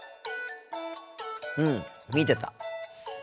うん見てた。